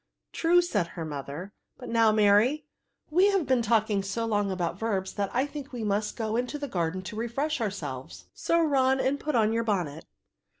True," said her mother; "but now, Mary, we have been talking so long about verbs, that I think we must go into the garden to re fresh ourselves; so run and put on your bonnet."